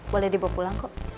boleh dibawa pulang kok